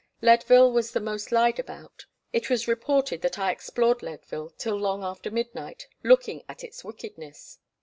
Leadville was the most lied about. It was reported that I explored Leadville till long after midnight, looking at its wickedness.